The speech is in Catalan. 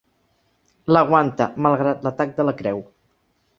L'aguanta, malgrat l'atac de la creu.